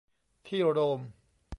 ที่โรม